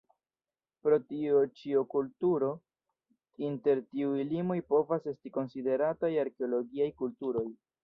Pro tio ĉiu kulturo inter tiuj limoj povas esti konsiderataj Arkeologiaj kulturoj.